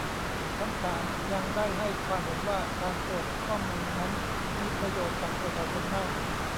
ทั้ง สาม ยังได้ให้ความเห็นว่า การเปิดข้อมูลนั้นมีประโยชน์ กับ ประชาชนมาก